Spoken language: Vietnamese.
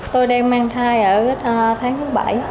tôi đang mang thai ở tháng thứ bảy